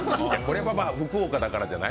福岡だからじゃない？